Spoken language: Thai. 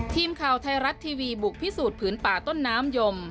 ทีมข่าวไทยรัฐทีวีบุกพิสูจน์ผืนป่าต้นน้ำยม